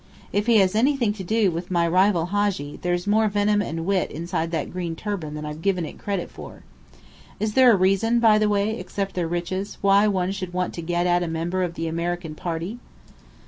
If he has anything to do with my rival Hadji, there's more venom and wit inside that green turban than I've given it credit for. Is there a reason, by the way, except their riches, why one should want to 'get at' a member of the American party?"